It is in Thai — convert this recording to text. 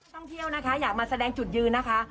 ท่องเที่ยวนะคะอยากมาแสดงจุดยืนนะคะ